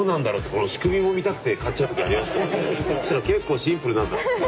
そしたら結構シンプルなんだって。